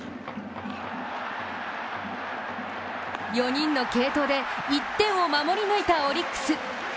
４人の継投で１点を守り抜いたオリックス。